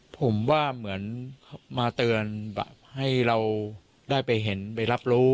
ผมว่าเหมือนมาเตือนแบบให้เราได้ไปเห็นไปรับรู้